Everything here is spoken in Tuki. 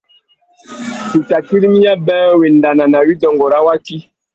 Tu tà tirimiya being wendana na widôngô râ waki.